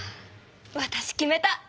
わたし決めた！